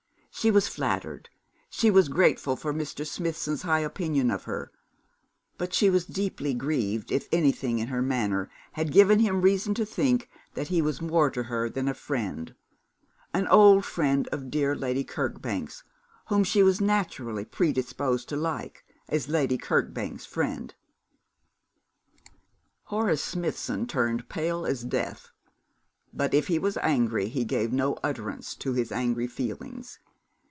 She was flattered, she was grateful for Mr. Smithson's high opinion of her; but she was deeply grieved if anything in her manner had given him reason to think that he was more to her than a friend, an old friend of dear Lady Kirkbank's, whom she was naturally predisposed to like, as Lady Kirkbank's friend. Horace Smithson turned pale as death, but if he was angry, he gave no utterance to his angry feelings.